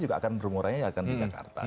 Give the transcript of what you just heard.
juga akan bermuara nya akan di jakarta